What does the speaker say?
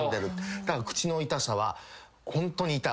だから口の痛さはホントに痛い。